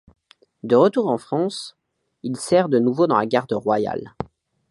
De retour en France, il sert de nouveau dans la Garde royale.